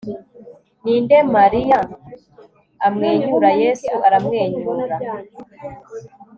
Ninde Mariya amwenyura Yesu aramwenyura